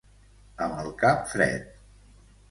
Amb el cap fred.